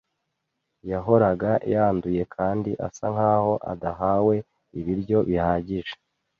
Yahoraga yanduye kandi asa nkaho adahawe ibiryo bihagije.